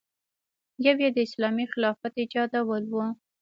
یو یې د اسلامي خلافت ایجادول و.